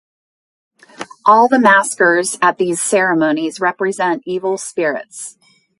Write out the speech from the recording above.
All the maskers at these ceremonies represent evil spirits.